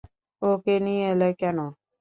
ওকে নিয়ে এলে কেন?